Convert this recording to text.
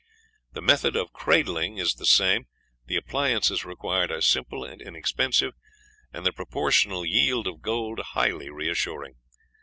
The method of cradling is the same, the appliances required are simple and inexpensive, and the proportional yield of gold highly reassuring.